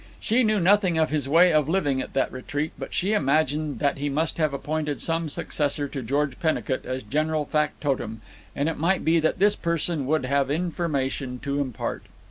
She knew nothing of his way of living at that retreat, but she imagined that he must have appointed some successor to George Pennicut as general factotum, and it might be that this person would have information to impart.